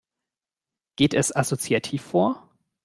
Geht es assoziativ vor?